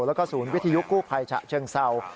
และก็ศูนย์วิทยุคคู่ภัยฉะเชิงเซ่า